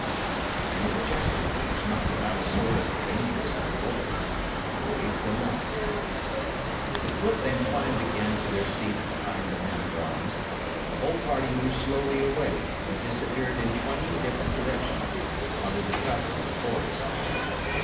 And with a gesture that was not without a sort of dangerous nobility, he waved them off. The footmen climbed again to their seats behind the men at arms, and the whole party moved slowly away and disappeared in twenty different directions, under the cover of the forest.